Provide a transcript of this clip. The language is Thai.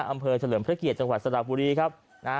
อำเภอเฉลื่อมพระเกียรติจังหวัดสตราบุรีครับนะฮะ